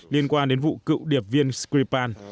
liên quan đến vụ cựu đợt viên skrifan